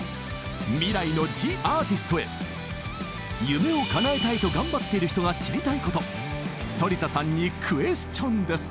夢をかなえたいと頑張っている人が知りたいこと反田さんにクエスチョンです！